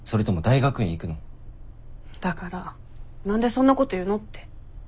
だから何でそんなこと言うのって。